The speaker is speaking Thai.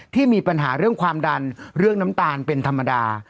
ที่มีปัญหาเรื่องความดันเรื่องน้ำตาลเป็นธรรมดา